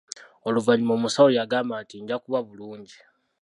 Oluvannyuma omusawo yagamba nti njakuba bulungi.